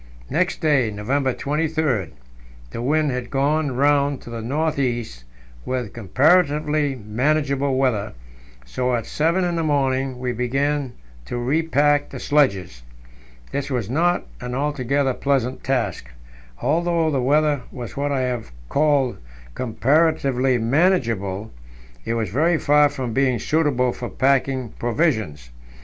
Next day, November 23, the wind had gone round to the north east, with comparatively manageable weather, so at seven in the morning we began to repack the sledges. This was not an altogether pleasant task; although the weather was what I have called "comparatively manageable," it was very far from being suitable for packing provisions.